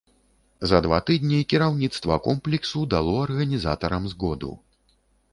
За два тыдні кіраўніцтва комплексу дало арганізатарам згоду.